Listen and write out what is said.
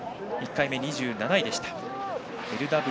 １回目は２７位でした。